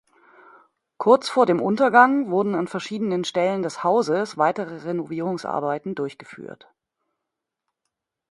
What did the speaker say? Kurz vor dem Untergang wurden an verschiedenen Stellen des Hauses weitere Renovierungsarbeiten durchgeführt.